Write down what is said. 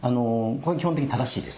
基本的に正しいです。